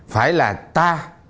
phải là ta